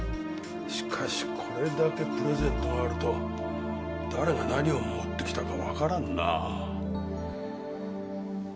しかしこれだけプレゼントがあると誰が何を持ってきたかわからんなぁ。